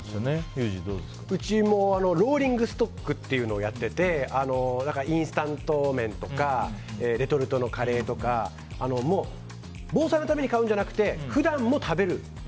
うちもローリングストックっていうのをやっててインスタント麺とかレトルトのカレーとか防災のために買うんじゃなくて普段も食べる。